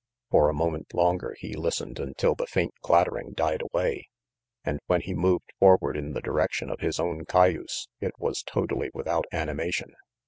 For a moment longer he listened until the faint clattering died away, and when he moved forward in the direction of his own cay use it was totally without animation.